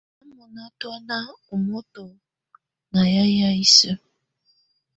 Á ná mɔnà tɔ̀ána ù moto ma yayɛ̀á isǝ́.